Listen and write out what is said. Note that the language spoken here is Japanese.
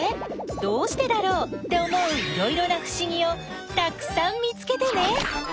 「どうしてだろう」って思ういろいろなふしぎをたくさん見つけてね！